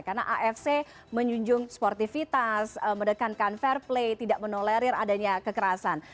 karena afc menjunjung sportivitas mendekatkan fair play tidak menolerir adanya kekerasan